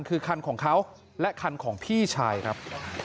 คือคันของเขาและคันของพี่ชายครับ